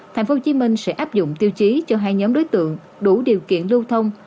tp hcm sẽ áp dụng tiêu chí cho hai nhóm đối tượng đủ điều kiện lưu thông